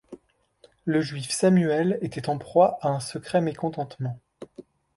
Le Juif Samuel était en proie à un secret mécontentement.